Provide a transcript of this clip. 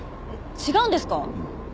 違うんですか？